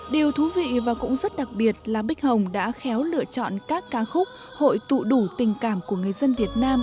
điều thú vị và cũng rất đặc biệt là bích hồng đã khéo lựa chọn các ca khúc hội tụ đủ tình cảm của người dân việt nam